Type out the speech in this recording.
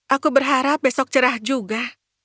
aku berharap besok cerah juga